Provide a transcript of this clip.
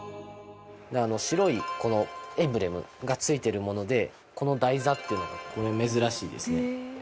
白いこのエンブレムが付いてるものでこの台座っていうのが珍しいですね。